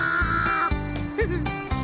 フフッヘ。